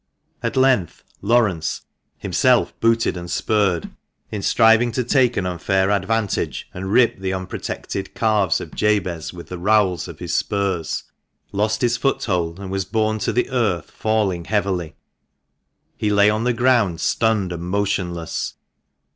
At length Laurence — himself booted and spurred — in striving to take an unfair advantage and rip the unprotected calves of Jabez with the rowels of his spurs, lost his foothold, and was borne to the earth, falling heavily. He lay on the ground stunned and motionless.